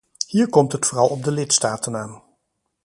Hier komt het vooral op de lidstaten aan.